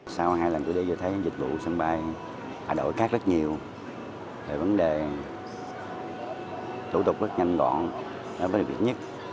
sau hai lần tôi đi tôi thấy dịch vụ sân bay đổi khác rất nhiều về vấn đề tủ tục rất nhanh gọn là vấn đề duy nhất